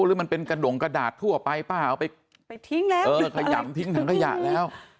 หรือมันเป็นกระดงกระดาษทั่วไปป้าเอาไปทิ้งแล้วเออขยำทิ้งถังขยะแล้ว